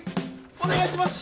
お願いします！